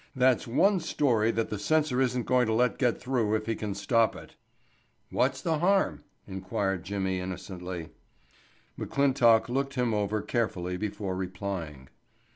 "That's one story that the censor isn't going to let get through if he can stop it." "What's the harm?" inquired Jimmy innocently. McClintock looked him over carefully before replying.